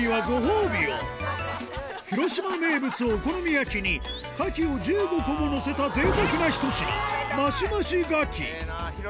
広島名物お好み焼きに牡蠣を１５個ものせたぜいたくなひと品マシマシ牡蠣ええな広島やな。